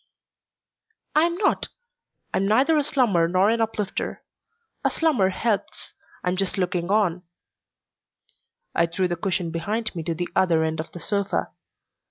"I am not. I'm neither a slummer nor an uplifter. A slummer helps. I'm just looking on." I threw the cushion behind me to the other end of the sofa.